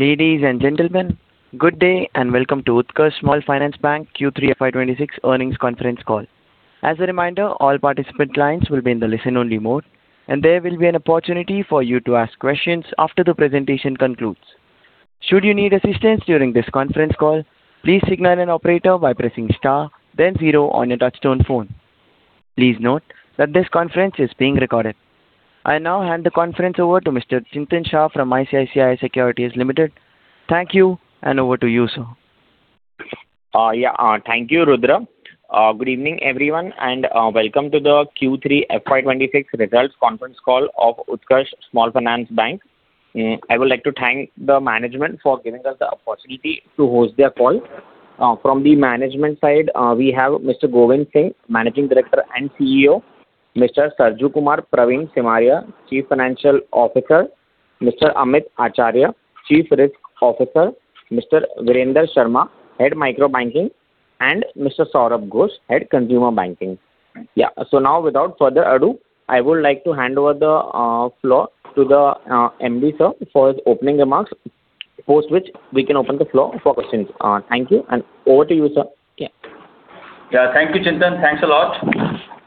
Ladies and gentlemen, good day and welcome to Utkarsh Small Finance Bank Q3 FY 2026 Earnings Conference Call. As a reminder, all participant lines will be in the listen-only mode, and there will be an opportunity for you to ask questions after the presentation concludes. Should you need assistance during this conference call, please signal an operator by pressing star then zero on your touch-tone phone. Please note that this conference is being recorded. I now hand the conference over to Mr. Chintan Shah from ICICI Securities Limited. Thank you, and over to you, sir. Yeah, thank you, Rudra. Good evening, everyone, and Welcome to the Q3 FY 2026 Results Conference Call of Utkarsh Small Finance Bank. I would like to thank the management for giving us the opportunity to host their call. From the management side, we have Mr. Govind Prasad Agrawal, Managing Director and CEO, Mr. Sarjukumar Praveen Simaria, Chief Financial Officer, Mr. Amit Acharya, Chief Risk Officer, Mr. Virender Sharma, Head Microbanking, and Mr. Saurabh Ghosh, Head Consumer Banking. Yeah, so now without further ado, I would like to hand over the floor to the MD, sir, for his opening remarks, post which we can open the floor for questions. Thank you, and over to you, sir. Yeah, thank you, Chintan. Thanks a lot.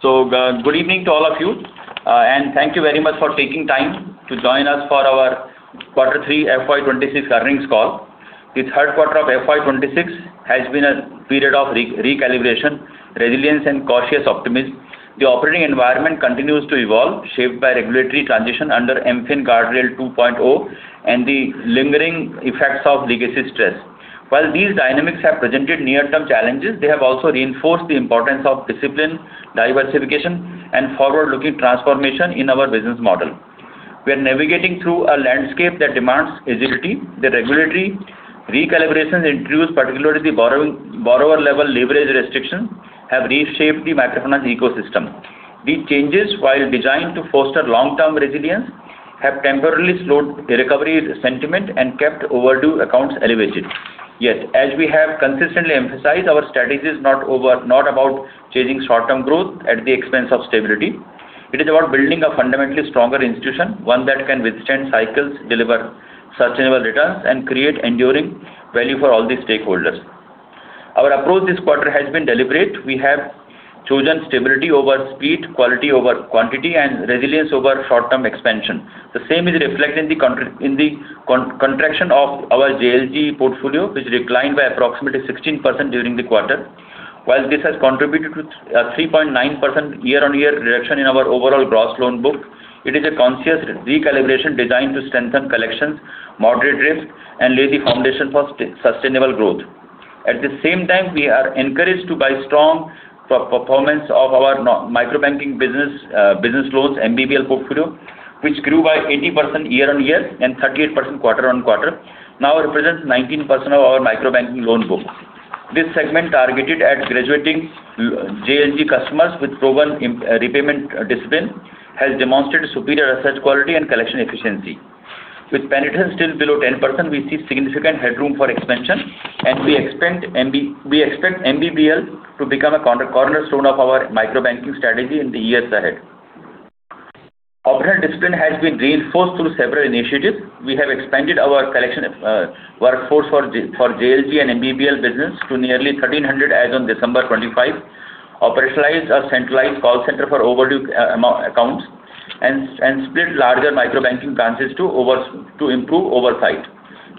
So good evening to all of you, and thank you very much for taking time to join us for our Quarter 3 FY 2026 earnings call. This third quarter of FY 2026 has been a period of recalibration, resilience, and cautious optimism. The operating environment continues to evolve, shaped by regulatory transition under MFIN Guardrail 2.0 and the lingering effects of legacy stress. While these dynamics have presented near-term challenges, they have also reinforced the importance of discipline, diversification, and forward-looking transformation in our business model. We are navigating through a landscape that demands agility. The regulatory recalibrations introduced, particularly the borrower-level leverage restrictions, have reshaped the microfinance ecosystem. These changes, while designed to foster long-term resilience, have temporarily slowed recovery sentiment and kept overdue accounts elevated. Yet, as we have consistently emphasized, our strategy is not about chasing short-term growth at the expense of stability. It is about building a fundamentally stronger institution, one that can withstand cycles, deliver sustainable returns, and create enduring value for all the stakeholders. Our approach this quarter has been deliberate. We have chosen stability over speed, quality over quantity, and resilience over short-term expansion. The same is reflected in the contraction of our JLG portfolio, which declined by approximately 16% during the quarter. While this has contributed to a 3.9% year-on-year reduction in our overall gross loan book, it is a conscious recalibration designed to strengthen collections, moderate risk, and lay the foundation for sustainable growth. At the same time, we are encouraged by the strong performance of our microbanking business loans, MBBL portfolio, which grew by 80% year-on-year and 38% quarter-on-quarter, now represents 19% of our microbanking loan book. This segment, targeted at graduating JLG customers with proven repayment discipline, has demonstrated superior recovery quality and collection efficiency. With penetration still below 10%, we see significant headroom for expansion, and we expect MBBL to become a cornerstone of our microbanking strategy in the years ahead. Operational discipline has been reinforced through several initiatives. We have expanded our collection workforce for JLG and MBBL business to nearly 1,300 as on 25 December, operationalized a centralized call center for overdue accounts, and split larger microbanking branches to improve oversight.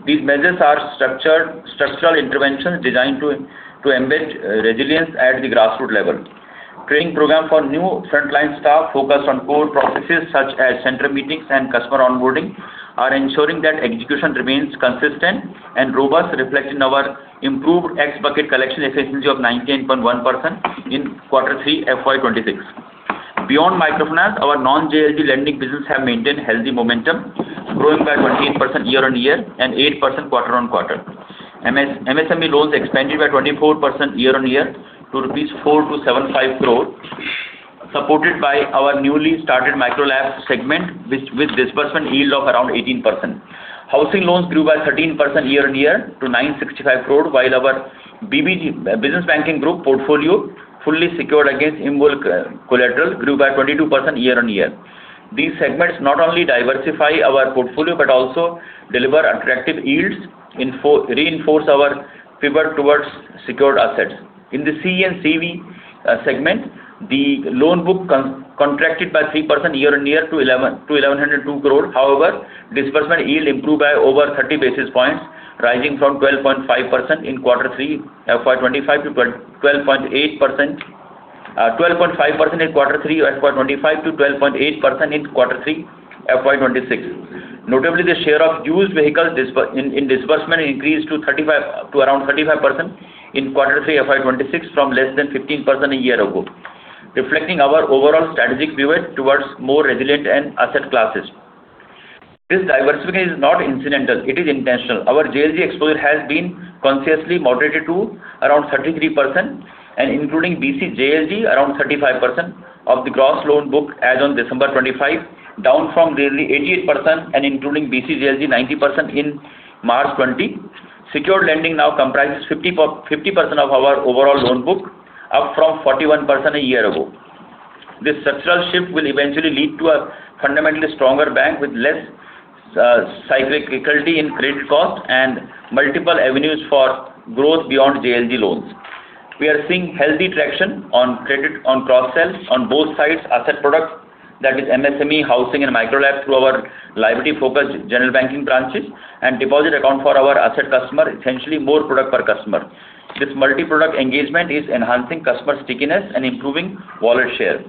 These measures are structural interventions designed to embed resilience at the grassroots level. Training programs for new frontline staff focused on core processes such as center meetings and customer onboarding are ensuring that execution remains consistent and robust, reflecting our improved ex-bucket collection efficiency of 19.1% in Quarter 3 FY 2026. Beyond microfinance, our non-JLG lending business has maintained healthy momentum, growing by 28% year-on-year and 8% quarter-on-quarter. MSME loans expanded by 24% year-on-year to rupees 4-75 crore, supported by our newly started Micro LAP segment, with this segment yield of around 18%. Housing loans grew by 13% year-on-year to 965 crore, while our BBG business banking group portfolio, fully secured against immovable collateral, grew by 22% year-on-year. These segments not only diversify our portfolio but also deliver attractive yields and reinforce our favor towards secured assets. In the CE and CV segment, the loan book contracted by 3% year-on-year to 1,102 crore. However, disbursement yield improved by over 30 basis points, rising from 12.5% in Quarter 3 FY 2025 to 12.8% in Quarter 3 FY 2026. Notably, the share of used vehicles in disbursement increased to around 35% in Quarter 3 FY 2026 from less than 15% a year ago, reflecting our overall strategic pivot towards more resilient asset classes. This diversification is not incidental. It is intentional. Our JLG exposure has been consciously moderated to around 33%, including BC JLG around 35% of the gross loan book as on 25 December, down from nearly 88% and including BC JLG 90% in March 2020. Secured lending now comprises 50% of our overall loan book, up from 41% a year ago. This structural shift will eventually lead to a fundamentally stronger bank with less cyclicality in credit cost and multiple avenues for growth beyond JLG loans. We are seeing healthy traction on cross-sell on both sides, asset products, that is, MSME, housing, and microloans, through our liability-focused general banking branches and deposit accounts for our asset customers, essentially more product per customer. This multi-product engagement is enhancing customer stickiness and improving wallet share.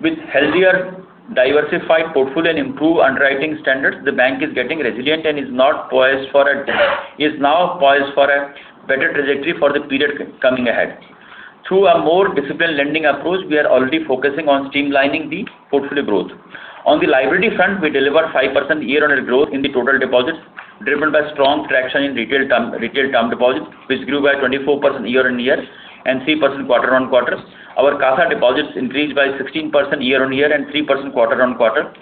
With a healthier, diversified portfolio and improved underwriting standards, the bank is getting resilient and is now poised for a better trajectory for the period coming ahead. Through a more disciplined lending approach, we are already focusing on streamlining the portfolio growth. On the liability front, we delivered 5% year-on-year growth in the total deposits, driven by strong traction in retail term deposits, which grew by 24% year-on-year and 3% quarter-on-quarter. Our CASA deposits increased by 16% year-on-year and 3% quarter-on-quarter,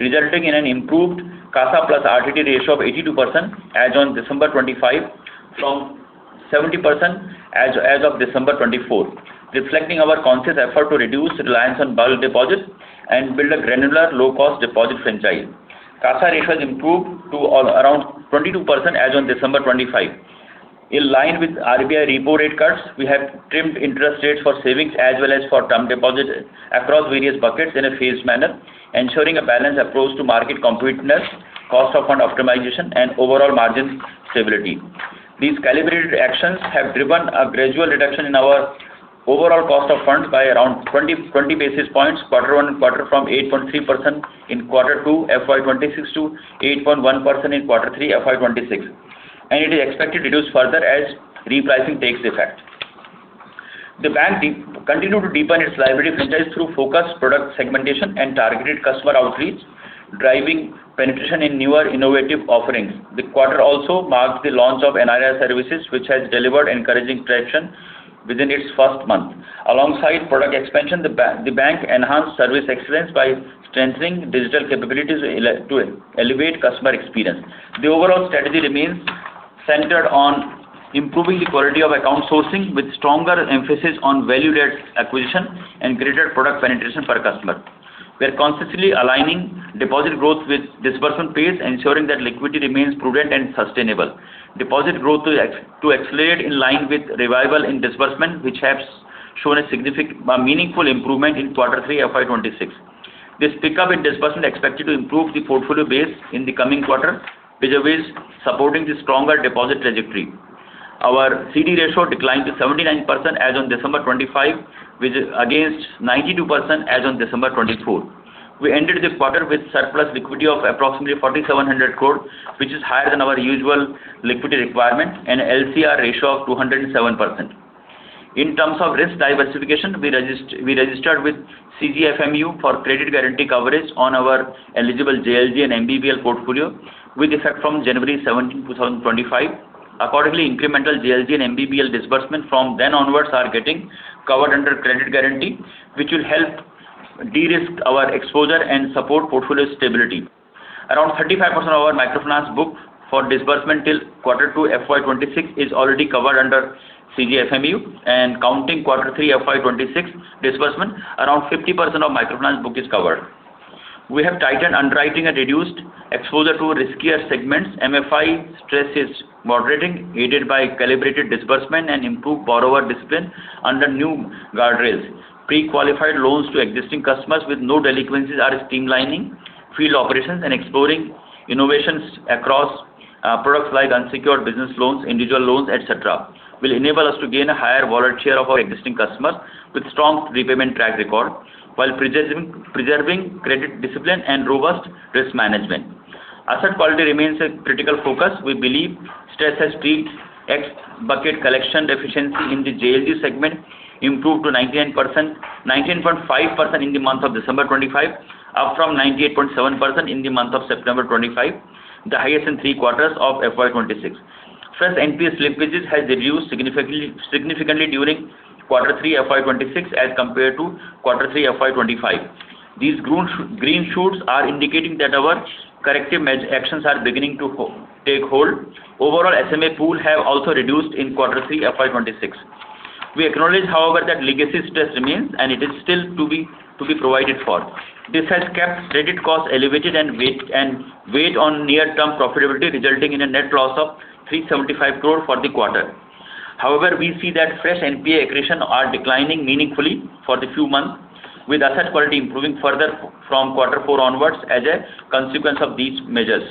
resulting in an improved CASA plus RTD ratio of 82% as on December 2025 from 70% as of December 2024, reflecting our conscious effort to reduce reliance on bulk deposits and build a granular, low-cost deposit franchise. CASA ratio has improved to around 22% as on December 2025. In line with RBI repo rate cuts, we have trimmed interest rates for savings as well as for term deposits across various buckets in a phased manner, ensuring a balanced approach to market competitiveness, cost-of-fund optimization, and overall margin stability. These calibrated actions have driven a gradual reduction in our overall cost-of-fund by around 20 basis points quarter-on-quarter from 8.3% in Quarter 2 FY 2026 to 8.1% in Quarter 3 FY 2026, and it is expected to reduce further as repricing takes effect. The bank continued to deepen its liability franchise through focused product segmentation and targeted customer outreach, driving penetration in newer, innovative offerings. The quarter also marked the launch of NRI services, which has delivered encouraging traction within its first month. Alongside product expansion, the bank enhanced service experience by strengthening digital capabilities to elevate customer experience. The overall strategy remains centered on improving the quality of account sourcing, with stronger emphasis on value-added acquisition and greater product penetration per customer. We are consciously aligning deposit growth with disbursement pace, ensuring that liquidity remains prudent and sustainable. Deposit growth to accelerate in line with revival in disbursement, which has shown a meaningful improvement in Quarter 3 FY 2026. This pickup in disbursement is expected to improve the portfolio base in the coming quarter, which is supporting the stronger deposit trajectory. Our CD ratio declined to 79% as on 25 December, against 92% as on December 24. We ended the quarter with surplus liquidity of approximately 4,700 crore, which is higher than our usual liquidity requirement, and an LCR ratio of 207%. In terms of risk diversification, we registered with CGFMU for credit guarantee coverage on our eligible JLG and MBBL portfolio, with effect from January 17, 2025. Accordingly, incremental JLG and MBBL disbursements from then onwards are getting covered under credit guarantee, which will help de-risk our exposure and support portfolio stability. Around 35% of our microfinance book for disbursement till Quarter 2 FY 2026 is already covered under CGFMU, and counting Quarter 3 FY 2026 disbursement, around 50% of microfinance book is covered. We have tightened underwriting and reduced exposure to riskier segments. MFI stress is moderating, aided by calibrated disbursement and improved borrower discipline under new guardrails. Pre-qualified loans to existing customers with no delinquencies are streamlining field operations and exploring innovations across products like unsecured business loans, individual loans, etc., which will enable us to gain a higher wallet share of our existing customers with a strong repayment track record, while preserving credit discipline and robust risk management. Asset quality remains a critical focus. We believe stress has abated. Ex-bucket collection efficiency in the JLG segment improved to 99.5% in the month of December 2025, up from 98.7% in the month of September 2025, the highest in three quarters of FY 2026. Fresh NP slippages have reduced significantly during Quarter 3 FY 2026 as compared to Quarter 3 FY 2025. These green shoots are indicating that our corrective actions are beginning to take hold. Overall, SMA pools have also reduced in Quarter 3 FY 2026. We acknowledge, however, that legacy stress remains, and it is still to be provided for. This has kept credit costs elevated and weighed on near-term profitability, resulting in a net loss of 375 crore for the quarter. However, we see that fresh NPA accretion is declining meaningfully for the few months, with asset quality improving further from Quarter 4 onwards as a consequence of these measures.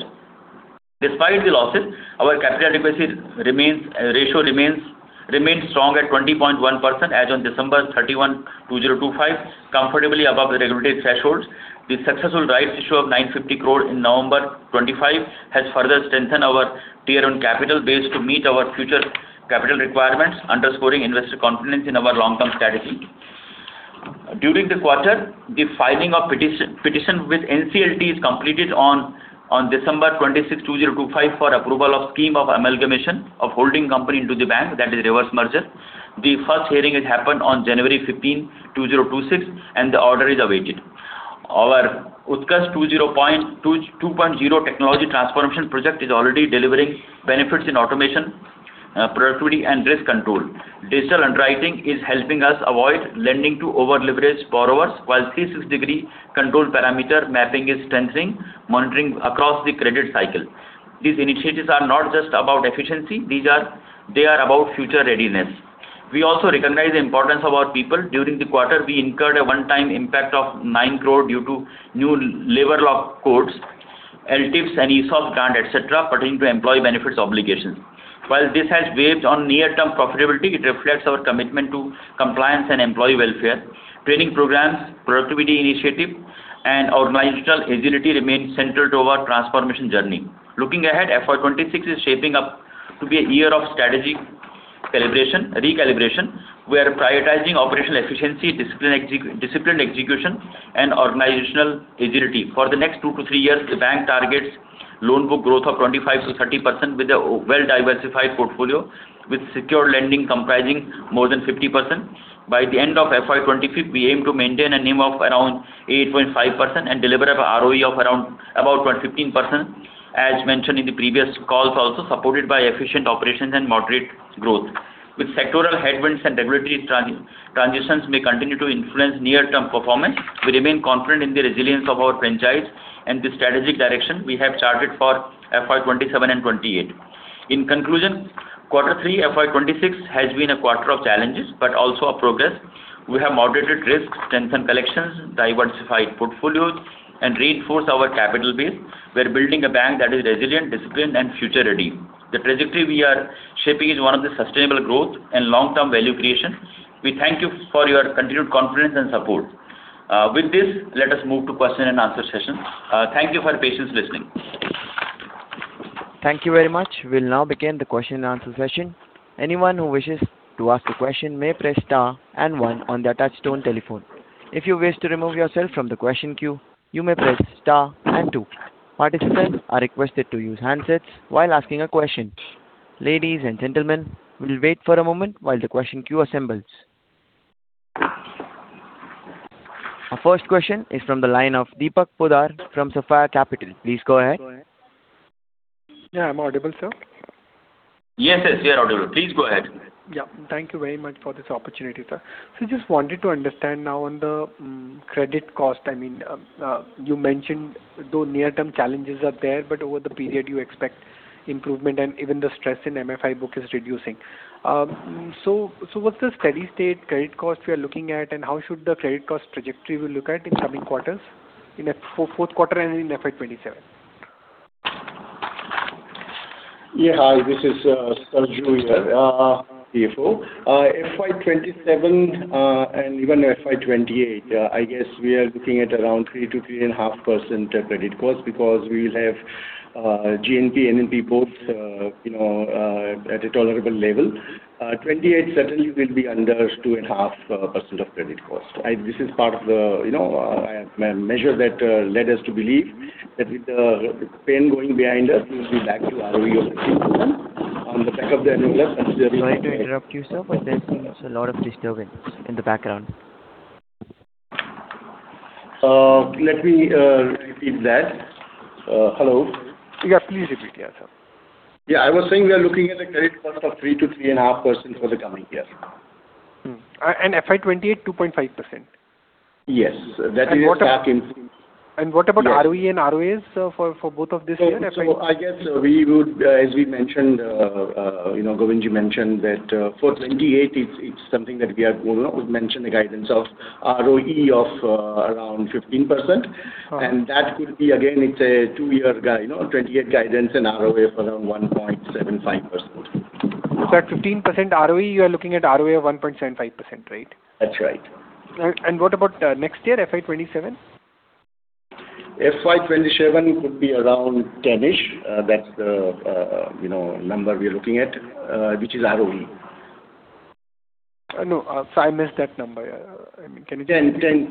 Despite the losses, our capital requirement ratio remained strong at 20.1% as on December 31, 2025, comfortably above the regulated thresholds. The successful rights issue of 950 crore in November 2025 has further strengthened our tier-one capital base to meet our future capital requirements, underscoring investor confidence in our long-term strategy. During the quarter, the filing of petition with NCLT is completed on December 26, 2025, for approval of the scheme of amalgamation of holding company into the bank, that is, reverse merger. The first hearing has happened on January 15, 2026, and the order is awaited. Our Utkarsh 2.0 technology transformation project is already delivering benefits in automation, productivity, and risk control. Digital underwriting is helping us avoid lending to over-leveraged borrowers, while 360-degree control parameter mapping is strengthening monitoring across the credit cycle. These initiatives are not just about efficiency; they are about future readiness. We also recognize the importance of our people. During the quarter, we incurred a one-time impact of 9 crore due to new labor law codes, LTIPs, and ESOP grants, etc., pertaining to employee benefits obligations. While this has weighed on near-term profitability, it reflects our commitment to compliance and employee welfare. Training programs, productivity initiatives, and organizational agility remain central to our transformation journey. Looking ahead, FY 2026 is shaping up to be a year of strategic recalibration, where we are prioritizing operational efficiency, disciplined execution, and organizational agility. For the next 2-3 years, the bank targets loan book growth of 25%-30% with a well-diversified portfolio, with secured lending comprising more than 50%. By the end of FY 2025, we aim to maintain a NIM of around 8.5% and deliver an ROE of about 15%, as mentioned in the previous calls, also supported by efficient operations and moderate growth. With sectoral headwinds and regulatory transitions may continue to influence near-term performance, we remain confident in the resilience of our franchise and the strategic direction we have charted for FY 2027 and 2028. In conclusion, Quarter 3 FY 2026 has been a quarter of challenges but also of progress. We have moderated risks, strengthened collections, diversified portfolios, and reinforced our capital base. We are building a bank that is resilient, disciplined, and future-ready. The trajectory we are shaping is one of sustainable growth and long-term value creation. We thank you for your continued confidence and support. With this, let us move to the Q&A session. Thank you for your patience listening. Thank you very much. We will now begin the Q&A session. Anyone who wishes to ask a question may press star and one on the touch-tone telephone. If you wish to remove yourself from the question queue, you may press star and two. Participants are requested to use handsets. While asking a question, ladies and gentlemen, we will wait for a moment while the question queue assembles. Our first question is from the line of Deepak Podar from Sapphire Capital. Please go ahead. Yeah, I'm audible, sir. Yes, yes, we are audible. Please go ahead. Yeah, thank you very much for this opportunity, sir. So I just wanted to understand now on the credit cost. I mean, you mentioned though near-term challenges are there, but over the period, you expect improvement, and even the stress in MFI book is reducing. So what's the steady state credit cost we are looking at, and how should the credit cost trajectory we look at in coming quarters, in the fourth quarter and in FY 2027? Yeah, hi. This is Sir Jhu here, CFO. FY 2027 and even FY 2028, I guess we are looking at around 3%-3.5% credit cost because we will have GNP and NP both at a tolerable level. 28 certainly will be under 2.5% of credit cost. This is part of the measure that led us to believe that with the pain going behind us, we will be back to ROE of 15% on the back of the envelope. Sorry to interrupt you, sir, but there seems a lot of disturbance in the background. Let me repeat that. Hello? Yeah, please repeat yourself. Yeah, I was saying we are looking at a credit cost of 3%-3.5% for the coming year. FY 2028, 2.5%? Yes. That is back in. What about ROE and ROAs, sir, for both of this year? So I guess we would, as we mentioned, Govindji mentioned that for 2028, it's something that we are going to mention the guidance of ROE of around 15%. And that could be, again, it's a two-year guide, 2028 guidance and ROA of around 1.75%. At 15% ROE, you are looking at ROA of 1.75%, right? That's right. What about next year, FY 2027? FY 2027 could be around 10-ish. That's the number we are looking at, which is ROE. No, so I missed that number. I mean, can you tell me? 10%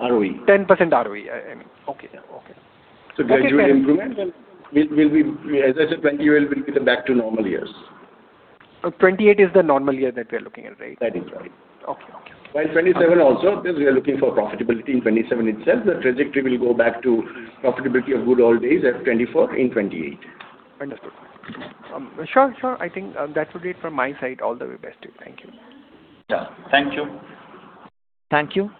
ROE. 10% ROE. Okay, okay. Gradual improvement, and as I said, 2028 will be the back-to-normal years. 28 is the normal year that we are looking at, right? That is right. Okay, okay, okay. While 2027 also, because we are looking for profitability in 2027 itself, the trajectory will go back to profitability of good old days at 2024 in 2028. Understood. Sure, sure. I think that would be it from my side. All the best to you. Thank you. Yeah, thank you. Thank you.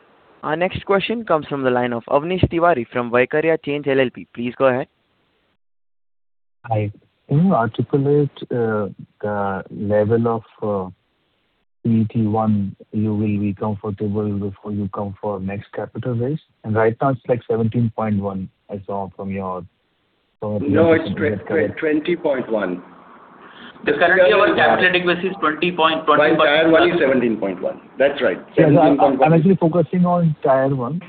Our next question comes from the line of Avnish Tiwari from Vaikariya Change LLP. Please go ahead. Can you articulate the level of CET1 you will be comfortable with when you come for next capital raise? Right now, it's like 17.1, I saw from your. No, it's 20.1. The current year of capital requirements is 20.1%. By tier one, it's 17.1. That's right. 17.1. Yeah, I'm actually focusing on Tier 1.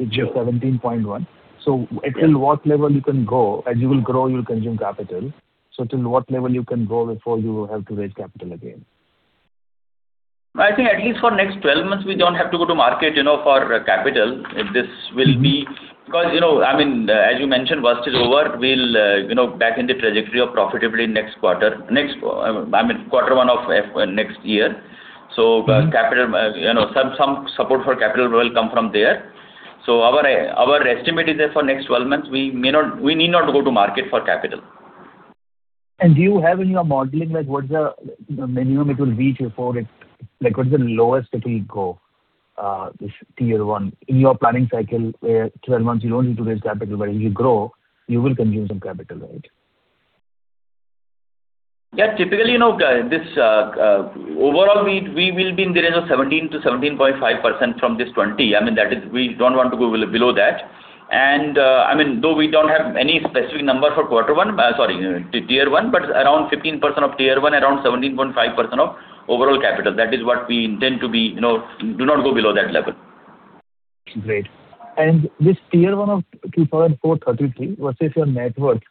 It's 17.1. So until what level you can go? As you will grow, you will consume capital. So until what level you can go before you have to raise capital again? I think at least for next 12 months, we don't have to go to market for capital. This will be because, I mean, as you mentioned, wash is over. We'll be back in the trajectory of profitability next quarter, I mean, Quarter 1 of next year. So some support for capital will come from there. So our estimate is that for next 12 months, we need not to go to market for capital. Do you have in your modeling what's the minimum it will reach before it? What's the lowest it will go, this Tier 1? In your planning cycle, where 12 months, you don't need to raise capital, but as you grow, you will consume some capital, right? Yeah, typically, overall, we will be in the range of 17%-17.5% from this 20. I mean, we don't want to go below that. And I mean, though we don't have any specific number for Quarter 1, sorry, tier one, but around 15% of tier one, around 17.5% of overall capital. That is what we intend to be. Do not go below that level. Great. This Tier 1 of 2004-33, let's say if your net worth,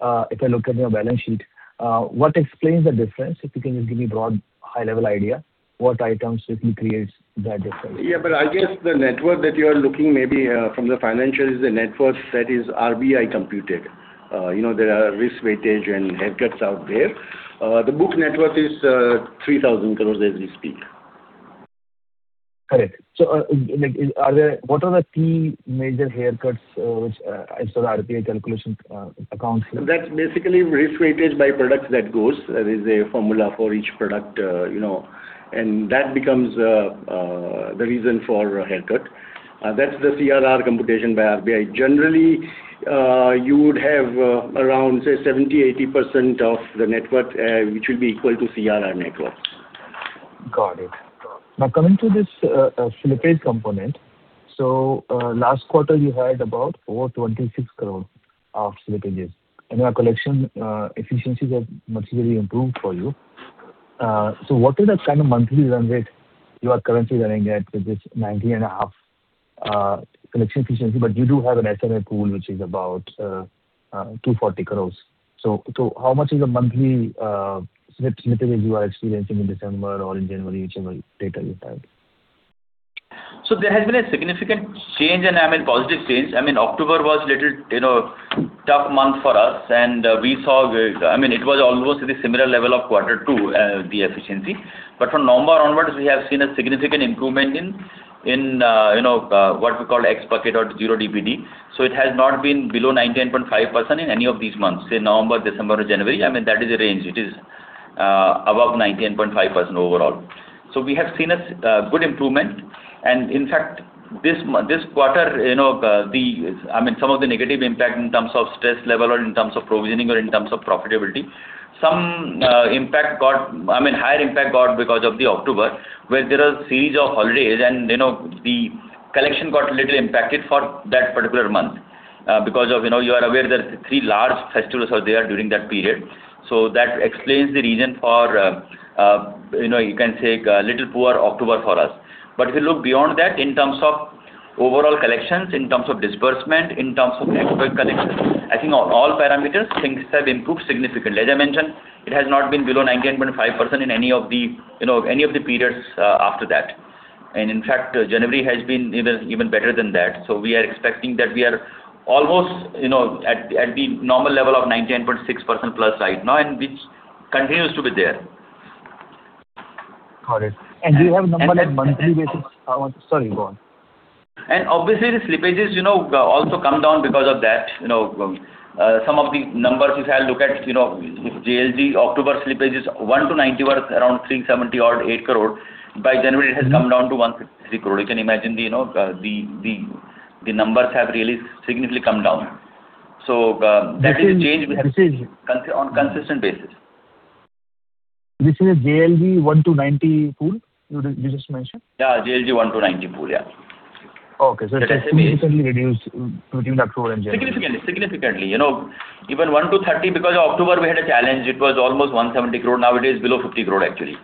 if I look at your balance sheet, what explains the difference? If you can just give me a broad, high-level idea, what items basically create that difference? Yeah, but I guess the net worth that you are looking maybe from the financial is the net worth that is RBI computed. There are risk weightages and haircuts out there. The book net worth is 3,000 crore as we speak. Correct. So what are the key major haircuts, which I saw the RBI calculation accounts? That's basically risk weightage by products that goes. There is a formula for each product, and that becomes the reason for a haircut. That's the CRR computation by RBI. Generally, you would have around, say, 70%-80% of the net worth, which will be equal to CRR net worth. Got it. Now, coming to this slippage component, so last quarter, you had about 26 crore of slippages. And your collection efficiencies have materially improved for you. So what is the kind of monthly run rate you are currently running at with this 90.5% collection efficiency? But you do have an SMA pool, which is about 240 crore. So how much is the monthly slippages you are experiencing in December or in January, whichever data you have? So there has been a significant change and, I mean, positive change. I mean, October was a little tough month for us, and we saw, I mean, it was almost at the similar level of Quarter 2, the efficiency. But from November onwards, we have seen a significant improvement in what we call X bucket or 0 DPD. So it has not been below 99.5% in any of these months, say November, December, or January. I mean, that is a range. It is above 99.5% overall. So we have seen a good improvement. In fact, this quarter, I mean, some of the negative impact in terms of stress level or in terms of provisioning or in terms of profitability, some impact got, I mean, higher impact got because of the October, where there was a series of holidays, and the collection got a little impacted for that particular month because of you are aware there are three large festivals out there during that period. So that explains the reason for, you can say, a little poorer October for us. But if you look beyond that, in terms of overall collections, in terms of disbursement, in terms of net worth collection, I think all parameters, things have improved significantly. As I mentioned, it has not been below 99.5% in any of the periods after that. In fact, January has been even better than that. We are expecting that we are almost at the normal level of 99.6%+ right now, and which continues to be there. Got it. Do you have a number on a monthly basis? Sorry, go on. Obviously, the slippages also come down because of that. Some of the numbers, if I look at, if JLG October slippage is 1-90 worth, around 370.8 crore. By January, it has come down to 163 crore. You can imagine the numbers have really significantly come down. That is a change we have on a consistent basis. This is a JLG 1 to 90 pool you just mentioned? Yeah, JLG 1-90 pool, yeah. Okay. It has significantly reduced between October and January. Significantly, significantly. Even 1-30, because of October, we had a challenge. It was almost 170 crore. Now it is below 50 crore, actually.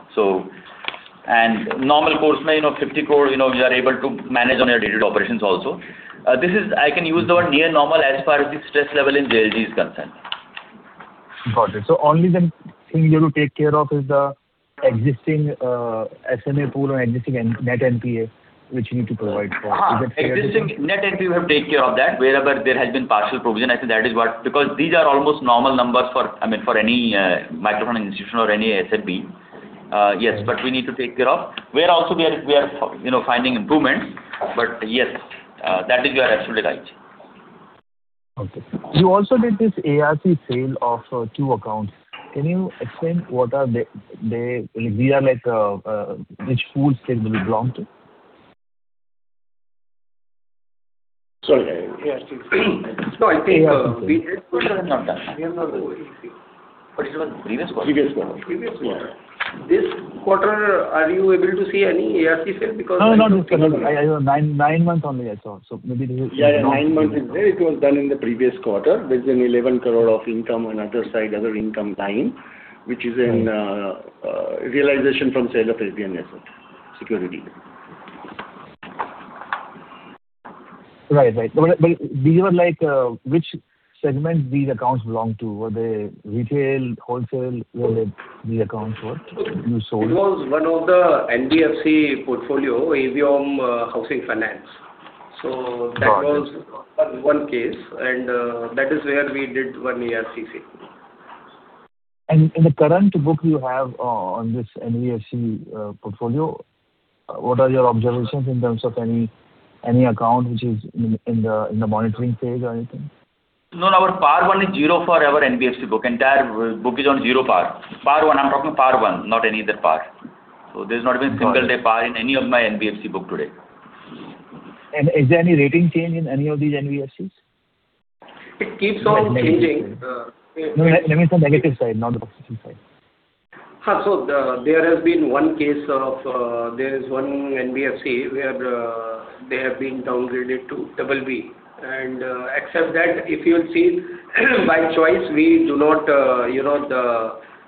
And normal course means 50 crore, you are able to manage on your daily operations also. I can use the word near normal as far as the stress level in JLG is concerned. Got it. So only the thing you have to take care of is the existing SMA pool and existing net NPA, which you need to provide for. Is that fair to you? Existing net NPA, we have taken care of that, wherever there has been partial provision. I think that is what because these are almost normal numbers for, I mean, for any microfinance institution or any SFB. Yes, but we need to take care of. Also, we are finding improvements. But yes, that is your absolute right. Okay. You also did this ARC sale of two accounts. Can you explain what are they? These are like which pools they will belong to? Sorry, ARC sale. No, I think we have not done that. We have not done that. But it was previous quarter. Previous quarter. Previous quarter. This quarter, are you able to see any ARC sale because? No, not this quarter. Nine months only I saw. So maybe this is. Yeah, yeah, nine months is there. It was done in the previous quarter, which is an 11 crore of income on the other side, other income line, which is a realization from sale of Aviom Asset Securities. Right, right. But these were like which segments these accounts belong to? Were they retail, wholesale? Were they these accounts that you sold? It was one of the NBFC portfolio, Aviom Housing Finance. So that was one case, and that is where we did one ARC sale. In the current book you have on this NBFC portfolio, what are your observations in terms of any account which is in the monitoring phase or anything? No, no. Our PAR 1 is 0 for our NBFC book. Entire book is on 0 PAR. PAR 1, I'm talking PAR 1, not any other PAR. So there's not even a single day PAR in any of my NBFC book today. Is there any rating change in any of these NBFCs? It keeps on changing. Let me say negative side, not the positive side. Ha, so there has been one case of there is one NBFC where they have been downgraded to double B. Except that, if you will see, by choice, we do not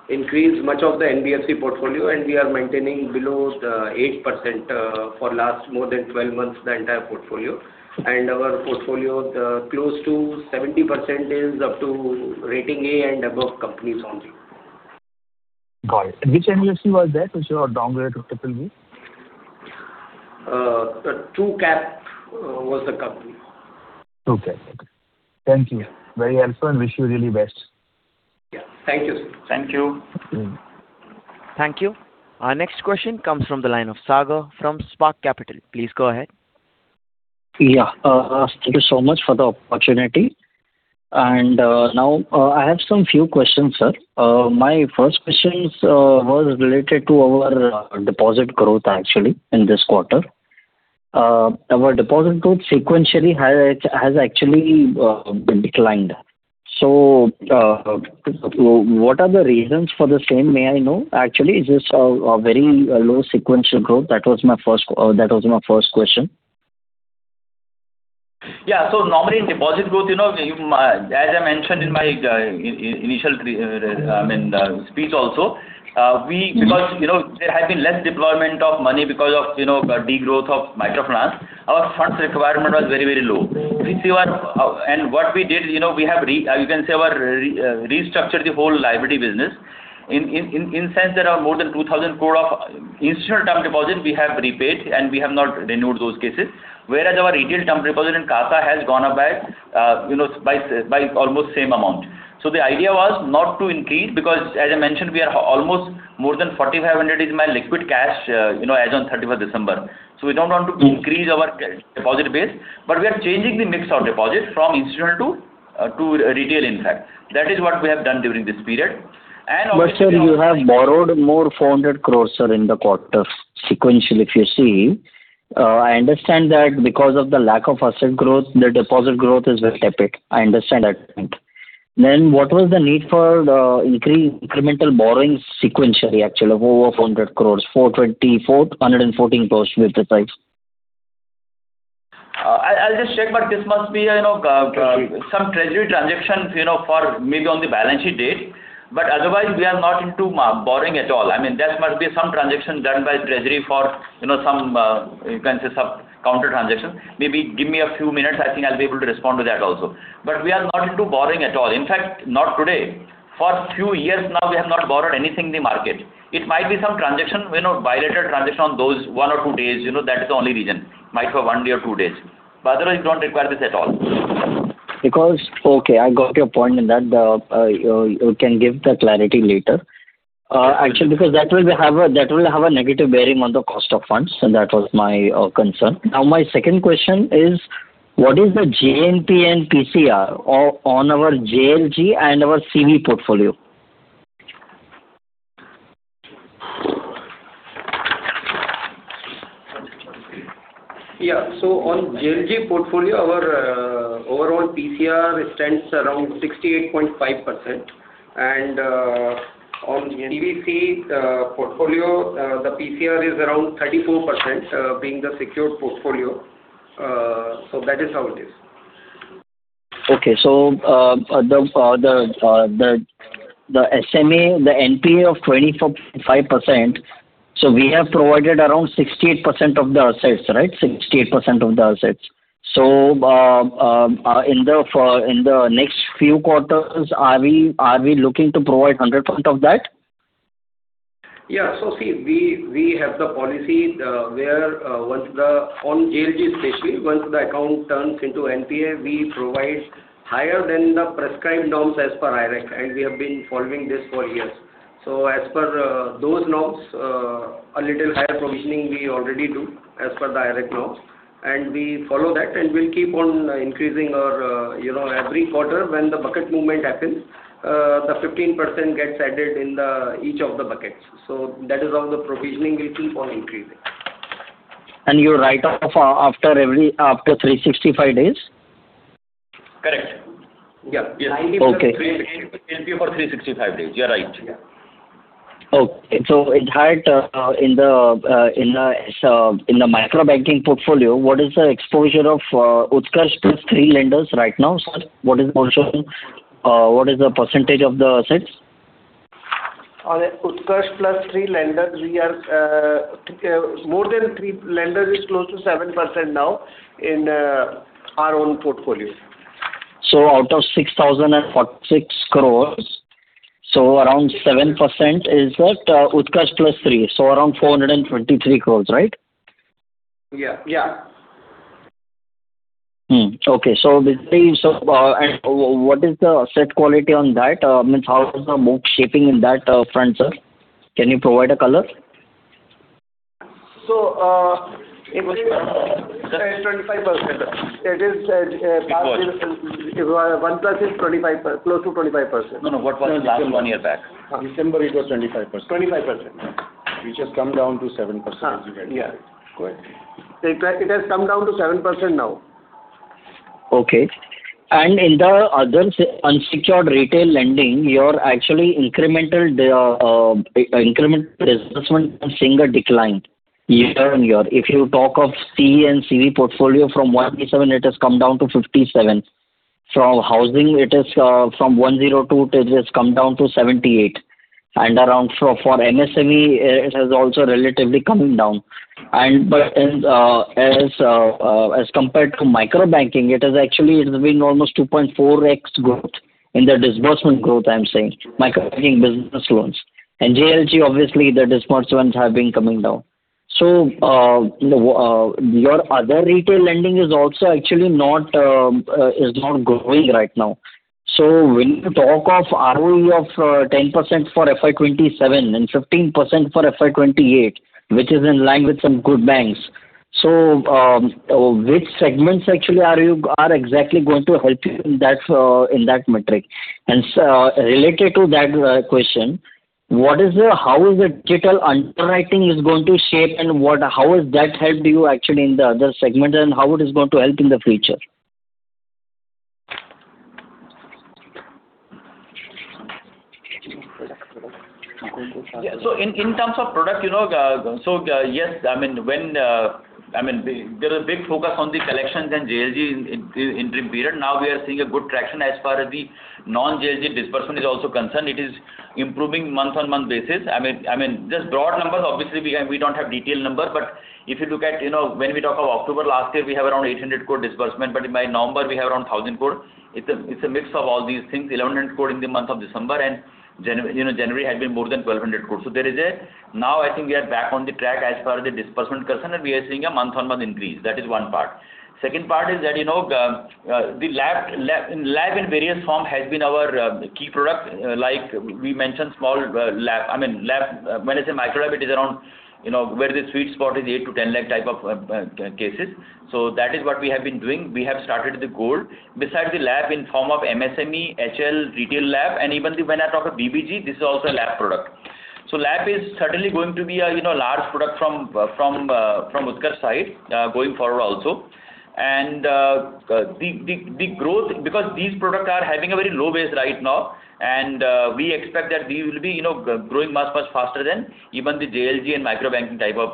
increase much of the NBFC portfolio, and we are maintaining below 8% for the last more than 12 months, the entire portfolio. Our portfolio, close to 70%, is up to rating A and above companies only. Got it. Which NBFC was that which you are downgraded to triple B? TruCap was the company. Okay, okay. Thank you. Very helpful, and wish you really best. Yeah, thank you, sir. Thank you. Thank you. Our next question comes from the line of Sagar from Spark Capital. Please go ahead. Yeah, thank you so much for the opportunity. Now I have some few questions, sir. My first question was related to our deposit growth, actually, in this quarter. Our deposit growth sequentially has actually declined. So what are the reasons for the same, may I know? Actually, is this a very low sequential growth? That was my first question. Yeah, so normally in deposit growth, as I mentioned in my initial, I mean, speech also, because there had been less deployment of money because of degrowth of microfinance, our funds requirement was very, very low. If you see our and what we did, we have, you can say, restructured the whole liability business. In a sense, there are more than 2,000 crore of institutional term deposit we have repaid, and we have not renewed those cases. Whereas our retail term deposit in CASA has gone up by almost the same amount. So the idea was not to increase because, as I mentioned, we are almost more than 4,500 is my liquid cash as on 31st December. So we don't want to increase our deposit base, but we are changing the mix of deposit from institutional to retail, in fact. That is what we have done during this period. And obviously. But sir, you have borrowed more than 400 crore, sir, in the quarter sequentially, if you see. I understand that because of the lack of asset growth, the deposit growth is very tepid. I understand that point. Then what was the need for incremental borrowing sequentially, actually, over 400 crore? 421.14 crore, to be precise. I'll just check, but this must be some treasury transactions for maybe on the balance sheet date. But otherwise, we are not into borrowing at all. I mean, there must be some transaction done by treasury for some, you can say, sub-counter transactions. Maybe give me a few minutes. I think I'll be able to respond to that also. But we are not into borrowing at all. In fact, not today. For a few years now, we have not borrowed anything in the market. It might be some bilateral transaction on those one or two days. That is the only reason. Might for one day or two days. But otherwise, we don't require this at all. Because, okay, I got your point in that. You can give the clarity later, actually, because that will have a negative bearing on the cost of funds, and that was my concern. Now, my second question is, what is the GNP and PCR on our JLG and our CV portfolio? Yeah, so on JLG portfolio, our overall PCR stands around 68.5%. On CVC portfolio, the PCR is around 34%, being the secured portfolio. That is how it is. Okay, so the SMA, the NPA of 25%, so we have provided around 68% of the assets, right? 68% of the assets. So in the next few quarters, are we looking to provide 100% of that? Yeah, so see, we have the policy where once they are on JLG, especially, once the account turns into NPA, we provide higher than the prescribed norms as per IRAC, and we have been following this for years. As per those norms, a little higher provisioning we already do as per the IRAC norms. We follow that and will keep on increasing every quarter when the bucket movement happens. The 15% gets added in each of the buckets. That is how the provisioning will keep on increasing. You write off after 365 days? Correct. Yeah, 90% JLP for 365 days. You're right. Okay, so it had in the microbanking portfolio, what is the exposure of Utkarsh Plus Three Lenders right now, sir? What is the portion? What is the percentage of the assets? On Utkarsh Plus Three Lenders, we are more than 3 lenders is close to 7% now in our own portfolio. So out of 6,046 crore, around 7% is Utkarsh Plus Three, so around 423 crore, right? Yeah, yeah. Okay, so what is the asset quality on that? Means how is the book shaping in that front, sir? Can you provide a color? It was 25%. It is past year, OnePlus is close to 25%. No, no. What was the last one year back? December, it was 25%. 25%. Yeah. Which has come down to 7% as you get to it. Yeah, correct. It has come down to 7% now. Okay. And in the other unsecured retail lending, you are actually incremental disbursement seeing a decline year-on-year. If you talk of CE and CV portfolio, from 187, it has come down to 57. From housing, it is from 102, it has come down to 78. And around for MSME, it has also relatively come down. But as compared to microbanking, it has actually been almost 2.4x growth in the disbursement growth, I'm saying, microbanking business loans. And JLG, obviously, the disbursements have been coming down. So your other retail lending is also actually not growing right now. So when you talk of ROE of 10% for FI27 and 15% for FI28, which is in line with some good banks, so which segments actually are exactly going to help you in that metric? Related to that question, how is the digital underwriting going to shape, and how has that helped you actually in the other segments, and how it is going to help in the future? Yeah, so in terms of product, so yes, I mean, when I mean, there is a big focus on the collections and JLG entry period. Now we are seeing a good traction as far as the non-JLG disbursement is also concerned. It is improving month-on-month basis. I mean, just broad numbers, obviously, we don't have detailed numbers. But if you look at when we talk of October last year, we have around 800 crore disbursement. But by November, we have around 1,000 crore. It's a mix of all these things, 1,100 crore in the month of December, and January had been more than 1,200 crore. So there is a now I think we are back on the track as far as the disbursement concerned, and we are seeing a month-on-month increase. That is one part. Second part is that the loan in various forms has been our key product. Like we mentioned small loan. I mean, loan when I say micro loan, it is around where the sweet spot is 8 lakh-10 lakh type of cases. So that is what we have been doing. We have started the gold loans. Besides the loans in form of MSME, HL, retail loan, and even when I talk of BBG, this is also a loan product. So loan is certainly going to be a large product from Utkarsh side going forward also. And the growth because these products are having a very low base right now, and we expect that these will be growing much, much faster than even the JLG and microbanking type of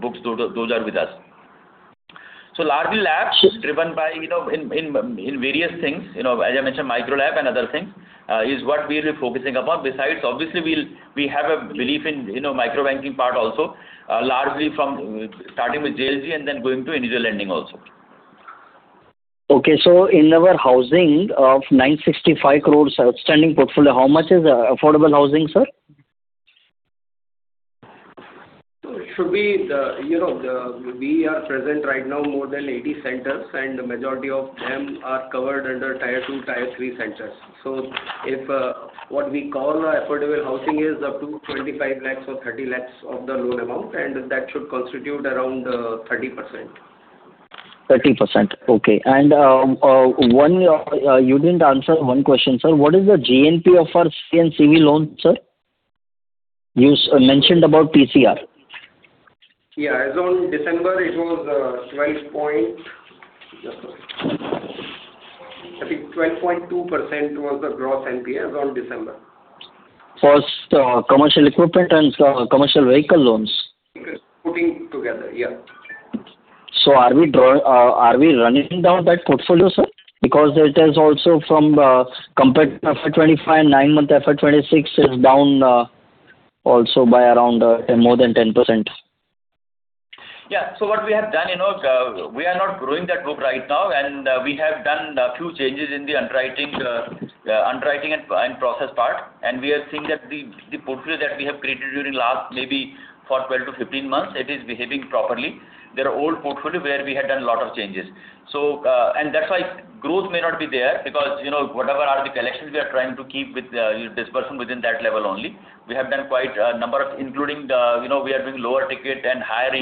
books, those are with us. So largely loans driven by in various things, as I mentioned, micro loan and other things is what we will be focusing upon. Besides, obviously, we have a belief in microbanking part also, largely starting with JLG and then going to individual lending also. Okay, so in our housing of 965 crore outstanding portfolio, how much is affordable housing, sir? So it should be the we are present right now more than 80 centers, and the majority of them are covered under tier two, tier three centers. So if what we call affordable housing is up to 25 lakhs or 30 lakhs of the loan amount, and that should constitute around 30%. 30%. Okay. You didn't answer one question, sir. What is the GNP of our C and CV loans, sir? You mentioned about PCR. Yeah, as on December, it was 12. I think 12.2% was the gross NPA as on December. For commercial equipment and commercial vehicle loans? Putting together. Yeah. So are we running down that portfolio, sir? Because it has also from compared to FY 2025 and nine-month FY 2026, it's down also by around more than 10%. Yeah, so what we have done, we are not growing that book right now, and we have done a few changes in the underwriting and process part. And we are seeing that the portfolio that we have created during last maybe for 12-15 months, it is behaving properly. There are old portfolio where we had done a lot of changes. And that's why growth may not be there because whatever are the collections, we are trying to keep with disbursement within that level only. We have done quite a number of including we are doing lower ticket and higher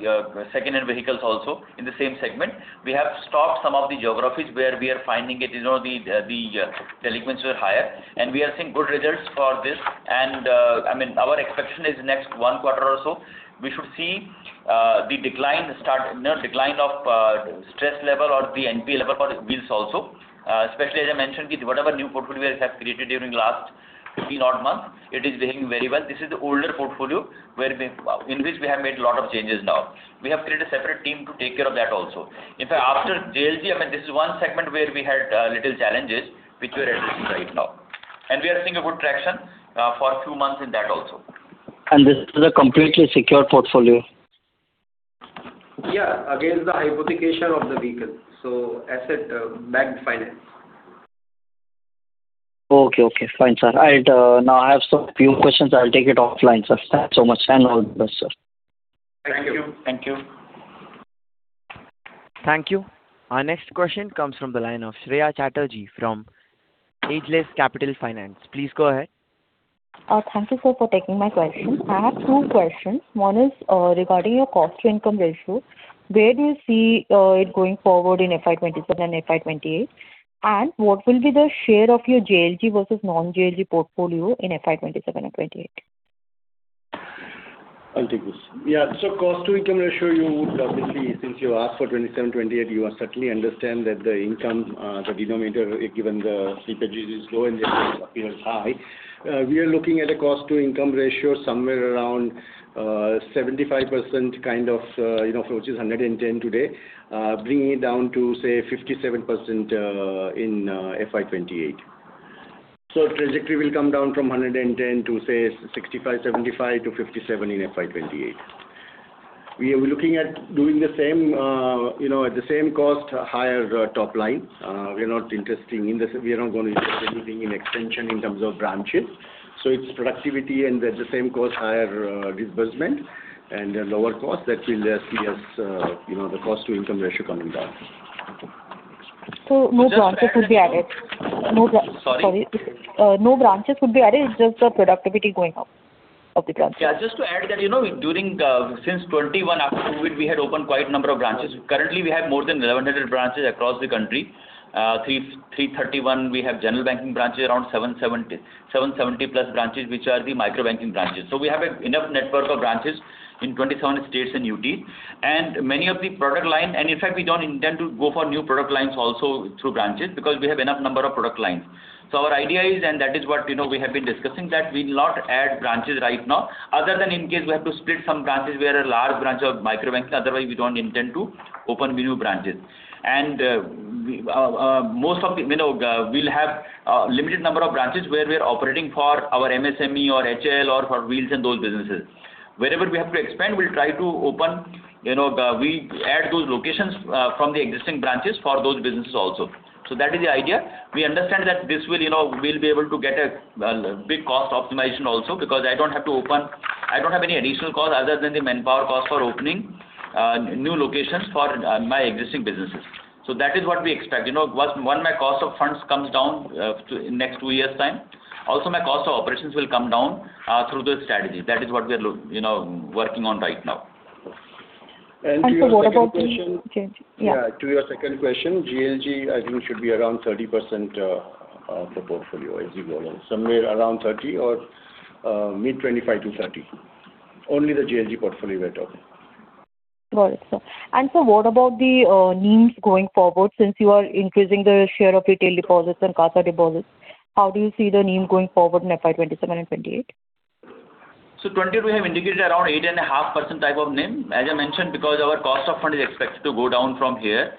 yield secondhand vehicles also in the same segment. We have stopped some of the geographies where we are finding it is the delinquencies are higher. And we are seeing good results for this. I mean, our expectation is next one quarter or so, we should see the decline of stress level or the NPA level for wheels also. Especially, as I mentioned, whatever new portfolio we have created during last 15-odd months, it is behaving very well. This is the older portfolio in which we have made a lot of changes now. We have created a separate team to take care of that also. In fact, after JLG, I mean, this is one segment where we had little challenges, which we are addressing right now. And we are seeing a good traction for a few months in that also. This is a completely secure portfolio? Yeah, against the hypothecation of the vehicle, so asset-backed finance. Okay, okay. Fine, sir. I'll now have some few questions. I'll take it offline, sir. Thanks so much. All the best, sir. Thank you. Thank you. Thank you. Our next question comes from the line of Shreya Chatterjee from Aequitas Investment Consultancy. Please go ahead. Thank you, sir, for taking my question. I have two questions. One is regarding your cost-to-income ratio. Where do you see it going forward in FY 2027 and FY 2028? And what will be the share of your JLG versus non-JLG portfolio in FY 2027 and 28? I'll take this. Yeah, so cost-to-income ratio, you would obviously, since you asked for 27, 28, you certainly understand that the income, the denominator, given the scale is low and the OpEx high. We are looking at a cost-to-income ratio somewhere around 75% kind of, which is 110 today, bringing it down to, say, 57% in FY 2028. So trajectory will come down from 110 to, say, 65, 75 to 57 in FY 2028. We are looking at doing the same at the same cost, higher top line. We are not interested in; we are not going to invest anything in expansion in terms of branches. So it's productivity and at the same cost, higher disbursement and lower cost that will see us the cost-to-income ratio coming down. No branches would be added. No branches. Sorry? Sorry. No branches would be added. It's just the productivity going up of the branches. Yeah, just to add that, since 2021 after COVID, we had opened quite a number of branches. Currently, we have more than 1,100 branches across the country. 331, we have general banking branches, around 770-plus branches, which are the microbanking branches. So we have enough network of branches in 27 states and UTs. And many of the product line and in fact, we don't intend to go for new product lines also through branches because we have enough number of product lines. So our idea is, and that is what we have been discussing, that we will not add branches right now other than in case we have to split some branches where a large branch of microbanking. Otherwise, we don't intend to open new branches. Most of the, we'll have a limited number of branches where we are operating for our MSME or HL or for wheels and those businesses. Wherever we have to expand, we'll try to open we add those locations from the existing branches for those businesses also. So that is the idea. We understand that this will be able to get a big cost optimization also because I don't have to open I don't have any additional cost other than the manpower cost for opening new locations for my existing businesses. So that is what we expect. Once my cost of funds comes down next two years' time, also my cost of operations will come down through the strategy. That is what we are working on right now. What about JLG, yeah? Yeah, to your second question, JLG, I think should be around 30% of the portfolio as you go along, somewhere around 30% or mid-25% to 30%. Only the JLG portfolio went up. Got it, sir. And so what about the NEEMs going forward? Since you are increasing the share of retail deposits and CASA deposits, how do you see the NEEM going forward in FI27 and 28? So 28, we have indicated around 8.5% type of NEEM, as I mentioned, because our cost of fund is expected to go down from here.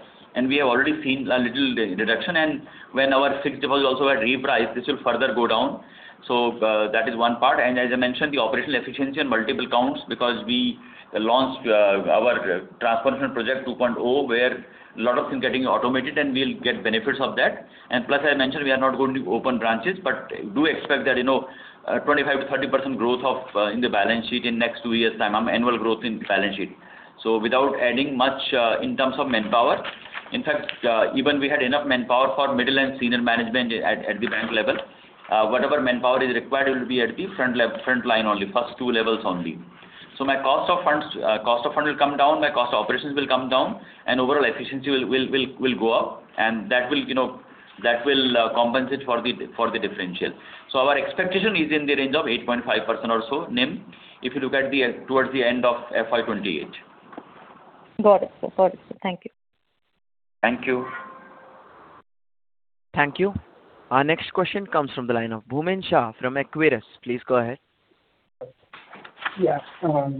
We have already seen a little reduction. When our fixed deposit also got repriced, this will further go down. So that is one part. As I mentioned, the operational efficiency on multiple counts because we launched our transformation project 2.0 where a lot of things are getting automated, and we'll get benefits of that. Plus, as I mentioned, we are not going to open branches, but do expect that 25%-30% growth in the balance sheet in next two years' time, annual growth in balance sheet. So without adding much in terms of manpower, in fact, even we had enough manpower for middle and senior management at the bank level. Whatever manpower is required will be at the front line only, first two levels only. So my cost of funds cost of fund will come down, my cost of operations will come down, and overall efficiency will go up. And that will compensate for the differential. So our expectation is in the range of 8.5% or so NIM if you look towards the end of FY 2028. Got it, sir. Got it, sir. Thank you. Thank you. Thank you. Our next question comes from the line of Bhumin from Equirus Securities. Please go ahead. Yeah.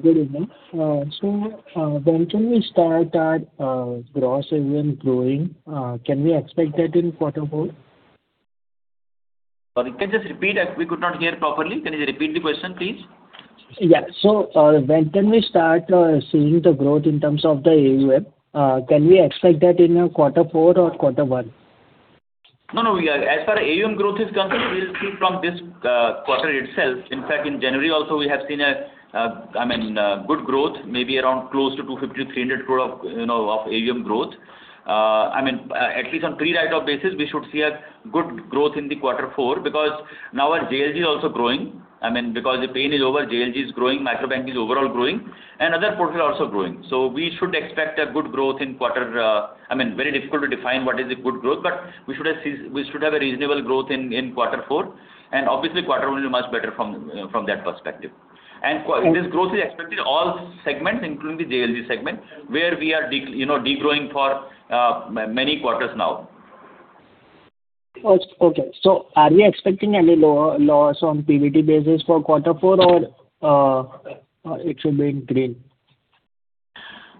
Good evening. So when can we start that gross AUM growing? Can we expect that in quarter four? Sorry, can you just repeat? We could not hear properly. Can you repeat the question, please? Yeah. So when can we start seeing the growth in terms of the AUM? Can we expect that in quarter four or quarter one? No, no. As far as AUM growth is concerned, we'll see from this quarter itself. In fact, in January also, we have seen, I mean, good growth, maybe around close to 250-300 crore of AUM growth. I mean, at least on pre-write-off basis, we should see a good growth in the quarter four because now our JLG is also growing. I mean, because the pain is over, JLG is growing, microbanking is overall growing, and other portfolio are also growing. So we should expect a good growth in quarter, I mean, very difficult to define what is a good growth, but we should have a reasonable growth in quarter four. And obviously, quarter one will be much better from that perspective. And this growth is expected in all segments, including the JLG segment, where we are degrowing for many quarters now. Okay. So are we expecting any loss on PBT basis for quarter four, or it should be in green?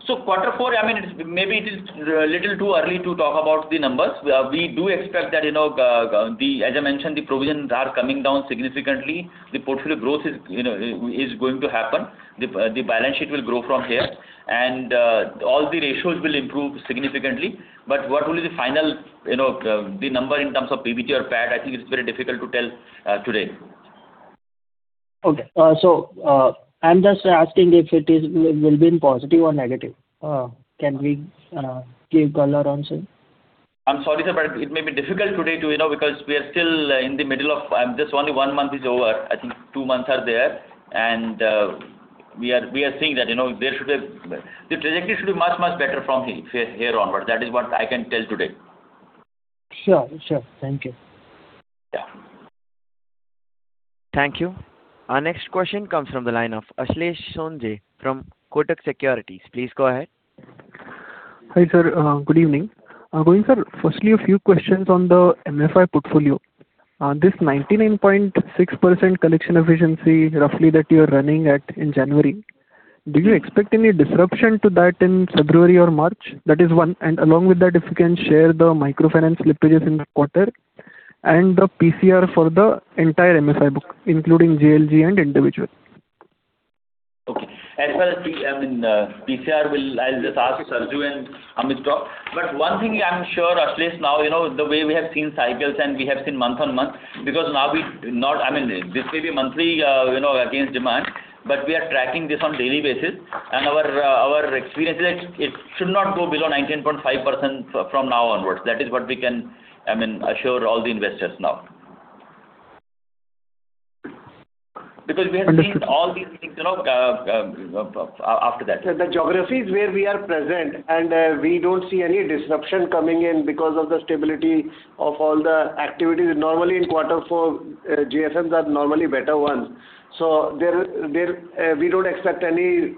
So quarter four, I mean, maybe it is a little too early to talk about the numbers. We do expect that, as I mentioned, the provisions are coming down significantly. The portfolio growth is going to happen. The balance sheet will grow from here, and all the ratios will improve significantly. But what will be the final number in terms of PBT or PAT, I think it's very difficult to tell today. Okay. I'm just asking if it will be in positive or negative. Can we give color on, sir? I'm sorry, sir, but it may be difficult today too because we are still in the middle of. I'm just only 1 month is over. I think 2 months are there. And we are seeing that there should be the trajectory should be much, much better from here onward. That is what I can tell today. Sure. Sure. Thank you. Yeah. Thank you. Our next question comes from the line of Ashlesh Sonje from Kotak Securities. Please go ahead. Hi, sir. Good evening. Going, sir, firstly, a few questions on the MFI portfolio. This 99.6% collection efficiency, roughly, that you are running at in January, do you expect any disruption to that in February or March? That is one. Along with that, if you can share the microfinance slippages in the quarter and the PCR for the entire MFI book, including JLG and individual. Okay. As far as, I mean, PCR, I'll ask Sarju and Amitraw. But one thing I'm sure, Ashlesh, now, the way we have seen cycles and we have seen month-on-month because now we not, I mean, this may be monthly against demand, but we are tracking this on a daily basis. Our experience is it should not go below 19.5% from now onwards. That is what we can, I mean, assure all the investors now because we have seen all these things after that. The geographies where we are present, and we don't see any disruption coming in because of the stability of all the activities. Normally, in quarter four, GFMs are normally better ones. So we don't expect any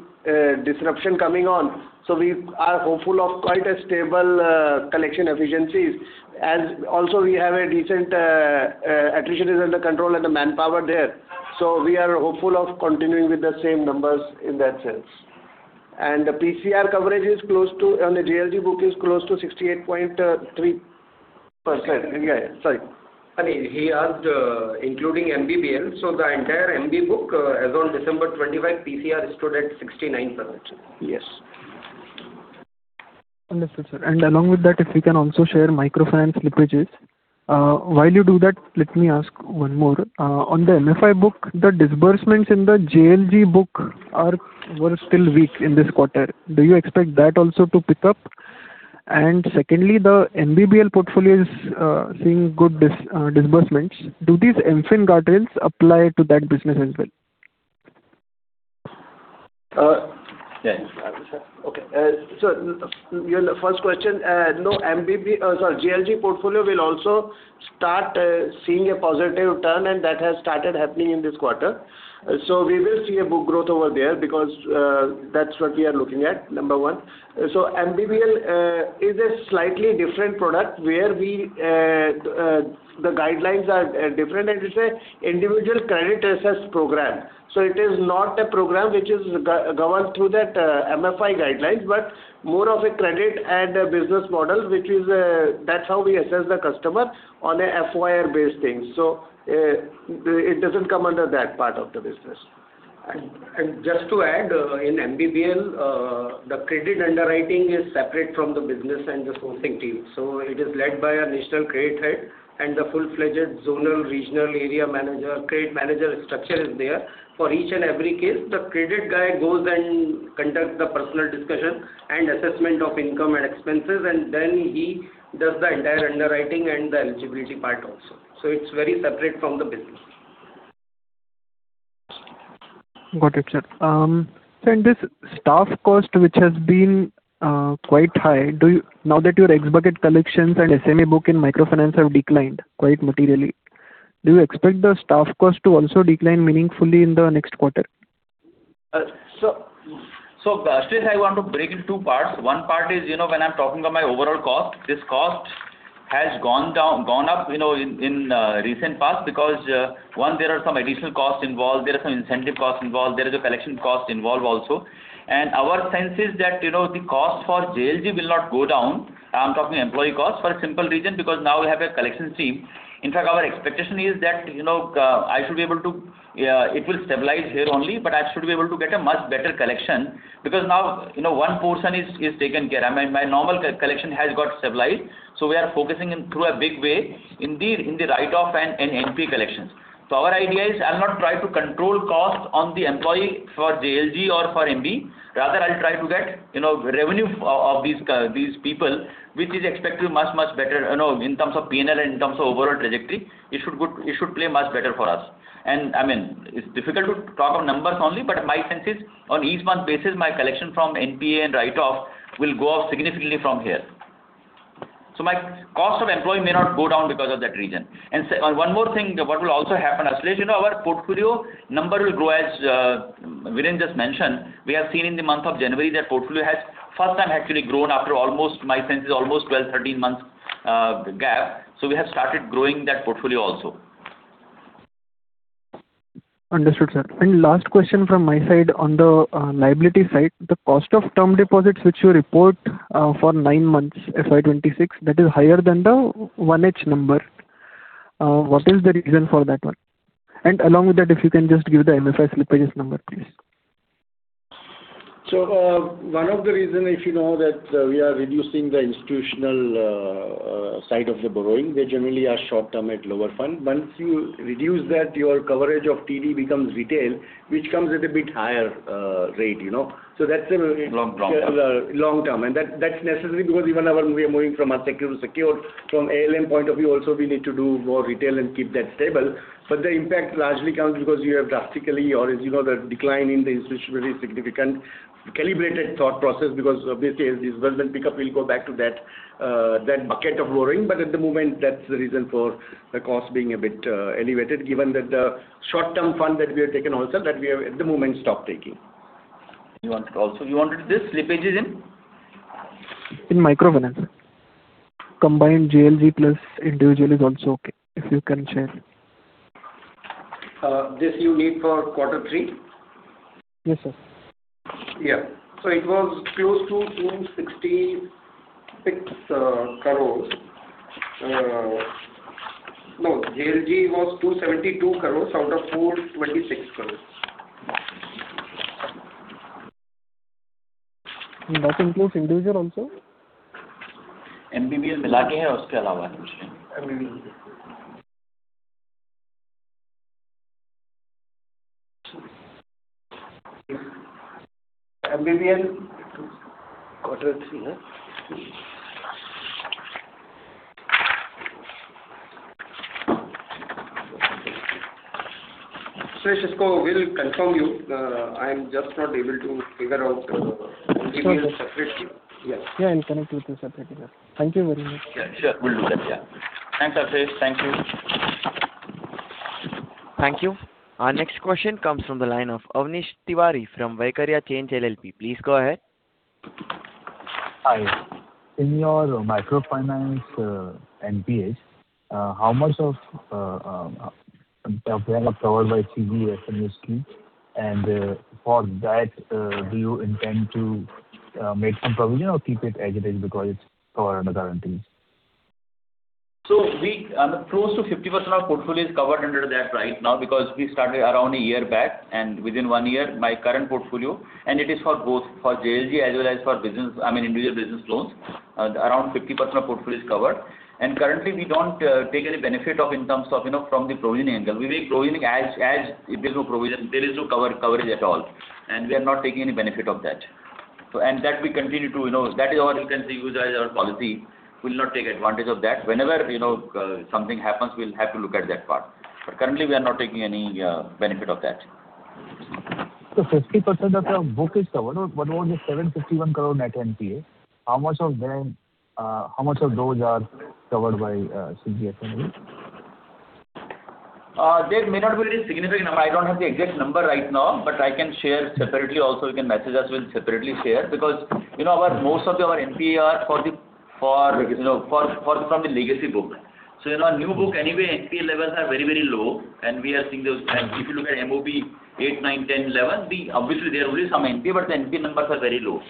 disruption coming on. So we are hopeful of quite a stable collection efficiencies. Also, we have a decent attrition under control and the manpower there. So we are hopeful of continuing with the same numbers in that sense. And the PCR coverage is close to on the JLG book is close to 68.3%. He asked including MBBL. So the entire MB book, as on 25 December, PCR stood at 69%. Yes. Understood, sir. And along with that, if we can also share microfinance slippages. While you do that, let me ask one more. On the MFI book, the disbursements in the JLG book were still weak in this quarter. Do you expect that also to pick up? And secondly, the MBBL portfolio is seeing good disbursements. Do these MFIN guardrails apply to that business as well? Yeah. Okay. So your first question, no, MBBL sorry, JLG portfolio will also start seeing a positive turn, and that has started happening in this quarter. So we will see a book growth over there because that's what we are looking at, number one. So MBBL is a slightly different product where the guidelines are different. And it's an individual credit assessed program. So it is not a program which is governed through that MFI guidelines, but more of a credit and business model, which is that's how we assess the customer on a FOIR-based thing. So it doesn't come under that part of the business. And just to add, in MBBL, the credit underwriting is separate from the business and the sourcing team. So it is led by a national credit head and the full-fledged zonal, regional area manager. Credit manager structure is there. For each and every case, the credit guy goes and conducts the personal discussion and assessment of income and expenses. And then he does the entire underwriting and the eligibility part also. So it's very separate from the business. Got it, sir. So in this staff cost, which has been quite high, now that your ex-bucket collections and SME book in microfinance have declined quite materially, do you expect the staff cost to also decline meaningfully in the next quarter? So Ashlesh, I want to break it into two parts. One part is when I'm talking about my overall cost, this cost has gone up in recent past because one, there are some additional costs involved. There are some incentive costs involved. There is a collection cost involved also. And our sense is that the cost for JLG will not go down. I'm talking employee cost for a simple reason because now we have a collections team. In fact, our expectation is that I should be able to it will stabilize here only, but I should be able to get a much better collection because now one portion is taken care. I mean, my normal collection has got stabilized. So we are focusing through a big way in the write-off and NPA collections. So our idea is I'll not try to control cost on the employee for JLG or for MB. Rather, I'll try to get revenue of these people, which is expected to be much, much better in terms of P&L and in terms of overall trajectory. It should play much better for us. And I mean, it's difficult to talk of numbers only, but my sense is on each month basis, my collection from NPA and write-off will go up significantly from here. So my cost of employee may not go down because of that reason. And one more thing, what will also happen, Ashlesh, our portfolio number will grow as we have just mentioned. We have seen in the month of January that portfolio has first time actually grown after almost my sense is almost 12, 13 months gap. So we have started growing that portfolio also. Understood, sir. Last question from my side on the liability side, the cost of term deposits, which you report for nine months, FY 2024, that is higher than the 1H number. What is the reason for that one? Along with that, if you can just give the MFI slippages number, please. So one of the reasons, if you know, that we are reducing the institutional side of the borrowing, they generally are short-term at lower fund. Once you reduce that, your coverage of TD becomes retail, which comes at a bit higher rate. So that's a. Long-term. Long-term. That's necessary because even we are moving from unsecured to secured. From ALM point of view, also, we need to do more retail and keep that stable. But the impact largely comes because you have drastically or, as you know, the decline in the institution is significant. Calibrated thought process because obviously, as disbursement pickup, we'll go back to that bucket of borrowing. But at the moment, that's the reason for the cost being a bit elevated given that the short-term fund that we have taken also, that we have at the moment stopped taking. You wanted also you wanted this slippages in? In microfinance. Combined JLG plus individual is also okay if you can share. This you need for quarter three? Yes, sir. Yeah. So it was close to 266 crore. No, JLG was 272 crore out of 426 crore. That includes individual also? MBBL milake hai, aur uske alawa hai kuch nahi? MBBL MBBL quarter three, right? Ashlesh, will confirm you. I'm just not able to figure out MBBL separately. Yes. Yeah, and connect with you separately, sir. Thank you very much. Yeah. Sure. We'll do that. Yeah. Thanks, Ashlesh. Thank you. Thank you. Our next question comes from the line of Avnish Tiwari from Vaikariya Change LLP. Please go ahead. Hi. In your microfinance NPH, how much of the covered by CGFMU scheme? And for that, do you intend to make some provision or keep it as it is because it's covered under guarantees? So close to 50% of our portfolio is covered under that right now because we started around a year back. Within one year, my current portfolio and it is for both for JLG as well as for business I mean, individual business loans, around 50% of portfolio is covered. Currently, we don't take any benefit of in terms of from the provisioning angle. We make provisioning as no provision. There is no coverage at all. We are not taking any benefit of that. That we continue to that is our you can see use as our policy. We'll not take advantage of that. Whenever something happens, we'll have to look at that part. But currently, we are not taking any benefit of that. 50% of your book is covered. What about the INR 751 crore net NPA? How much of those are covered by CGFMU? There may not be any significant number. I don't have the exact number right now, but I can share separately also. You can message us. We'll separately share because most of our NPAs are from the legacy book. So in our new book, anyway, NPA levels are very, very low. And we are seeing those if you look at MOB 8, 9, 10, 11, obviously, there will be some NPA, but the NPA numbers are very low.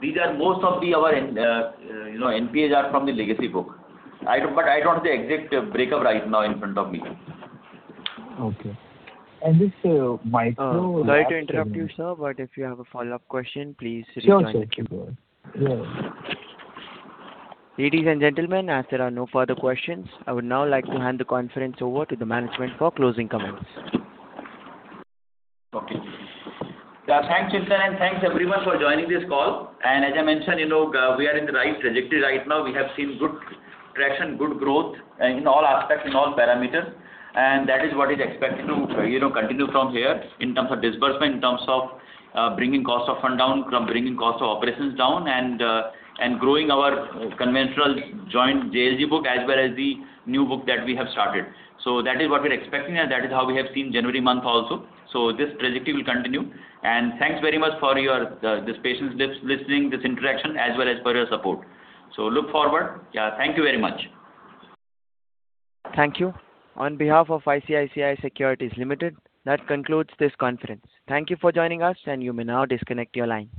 These are most of our NPAs are from the legacy book. But I don't have the exact breakup right now in front of me. Okay. And this micro. Sorry to interrupt you, sir, but if you have a follow-up question, please rejoin the. Sure. Ladies and gentlemen, as there are no further questions, I would now like to hand the conference over to the management for closing comments. Okay. Thanks, Shikha, and thanks everyone for joining this call. As I mentioned, we are in the right trajectory right now. We have seen good traction, good growth in all aspects, in all parameters. And that is what is expected to continue from here in terms of disbursement, in terms of bringing cost of fund down, bringing cost of operations down, and growing our conventional joint JLG book as well as the new book that we have started. So that is what we're expecting, and that is how we have seen January month also. So this trajectory will continue. And thanks very much for your this patience listening, this interaction, as well as for your support. So look forward. Yeah. Thank you very much. Thank you. On behalf of ICICI Securities Limited, that concludes this conference. Thank you for joining us, and you may now disconnect your line.